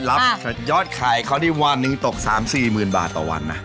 รับทัดยอดไขเขาที่วันนึงตก๓๔หมื่นบาทต่อวันนะ